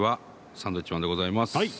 サンドウィッチマンでございます。